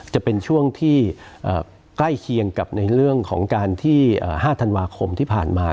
จะเป็นช่วงที่ใกล้เคียงกับในเรื่องของการที่๕ธันวาคมที่ผ่านมา